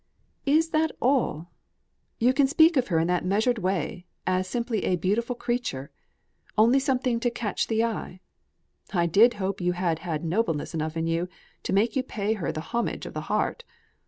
"Is that all! You can speak of her in that measured way, as simply a 'beautiful creature' only something to catch the eye. I did hope you had had nobleness enough in you to make you pay her the homage of the heart.